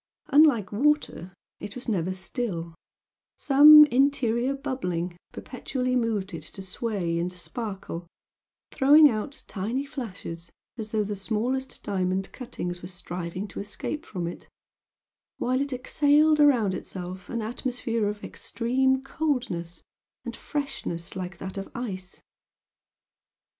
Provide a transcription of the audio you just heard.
Unlike water it was never still, some interior bubbling perpetually moved it to sway and sparkle, throwing out tiny flashes as though the smallest diamond cuttings were striving to escape from it while it exhaled around itself an atmosphere of extreme coldness and freshness like that of ice.